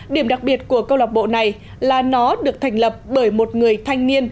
điểm đặc biệt của câu lạc bộ này là nó được thành lập bởi một người thanh niên